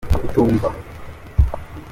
kutumva.